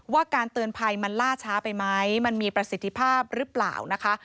การเตือนภัยมันล่าช้าไปไหมมันมีประสิทธิภาพหรือเปล่านะคะ